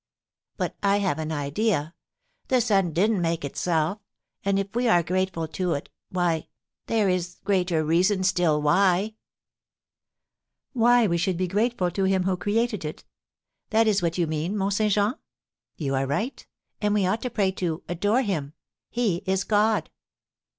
"But I have an idea, the sun didn't make itself, and if we are grateful to it, why, there is greater reason still why " "Why we should be grateful to him who created it; that is what you mean, Mont Saint Jean? You are right; and we ought to pray to, adore him, he is God!"